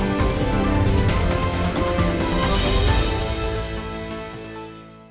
kondisi saat ini apa yang terjadi